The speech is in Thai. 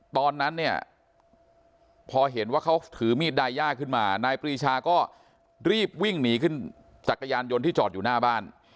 ตอนนั้นเนี่ยพอเห็นว่าเขาถือมีดไดย่าขึ้นมานายปรีชาก็รีบวิ่งหนีขึ้นจักรยานยนต์ที่จอดอยู่หน้าบ้าน